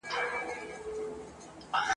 توتکیه ځان هوښیار درته ښکاریږي ..